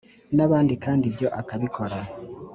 n abandi kandi ibyo akabikora